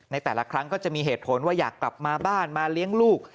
ในแต่ละครั้งก็จะมีเหตุผลว่าอยากกลับมาบ้านมาเลี้ยงลูก